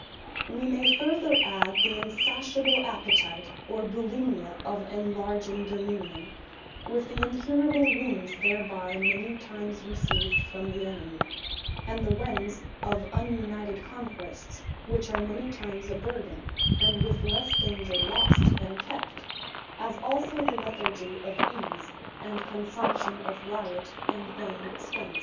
We may further adde, the insatiable appetite, or Bulimia, of enlarging Dominion; with the incurable Wounds thereby many times received from the enemy; And the Wens, of ununited conquests, which are many times a burthen, and with lesse danger lost, than kept; As also the Lethargy of Ease, and Consumption of Riot and Vain Expence.